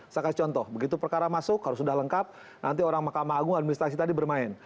saya kasih contoh begitu perkara masuk harus sudah lengkap nanti orang mahkamah agung administrasi tadi bermain